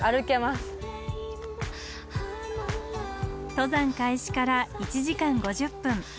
登山開始から１時間５０分。